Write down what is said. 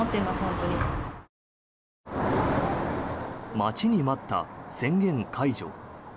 待ちに待った宣言解除。